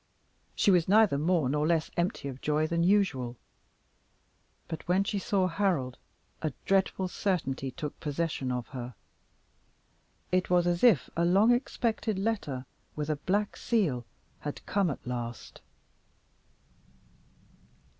She was neither more nor less empty of joy than usual. But when she saw Harold, a dreadful certainty took possession of her. It was as if a long expected letter, with a black seal, had come at last.